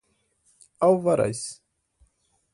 alvarás